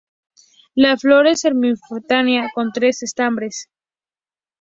La flor es hermafrodita con tres estambres.